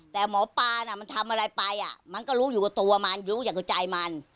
แต่หมอปลาน่ะมันทำอะไรไปมันก็รู้อยู่กับตัวมันรู้อย่างกับใจมัน